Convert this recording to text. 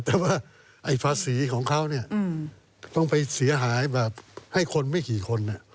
แต่ว่าไอ้ภาษีของเขาเนี่ยต้องไปเสียหายแบบให้คนไม่กี่คน